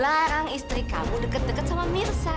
larang istri kamu deket deket sama mirsa